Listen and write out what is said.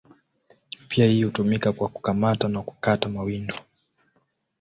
Pua hii hutumika kwa kukamata na kukata mawindo.